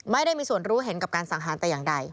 ไม่ได้มีส่วนรู้เห็นกับการสังหารแต่อย่างใด